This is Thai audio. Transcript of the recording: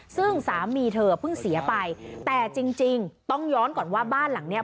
ซึ่งสามีเธอเพิ่งเสียไปแต่จริงต้องย้อนก่อนว่าบ้านหลังเนี้ย